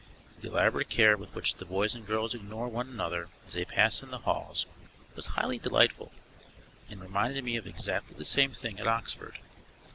The elaborate care with which the boys and girls ignore one another as they pass in the halls was highly delightful, and reminded me of exactly the same thing at Oxford.